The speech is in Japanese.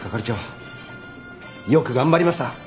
よく頑張りました。